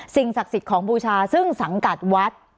ศักดิ์สิทธิ์ของบูชาซึ่งสังกัดวัด